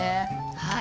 はい。